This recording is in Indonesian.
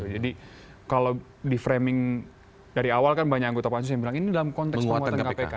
jadi kalau di framing dari awal kan banyak anggota pancu yang bilang ini dalam konteks penguatan kpk